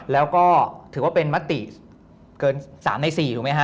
แล้วก็ถือว่าเป็นมติเกิน๓ใน๔ถูกไหมฮะ